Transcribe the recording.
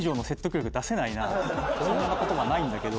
そんな言葉ないんだけど。